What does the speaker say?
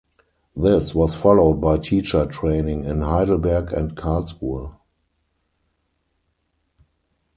This was followed by teacher training in Heidelberg and Karlsruhe.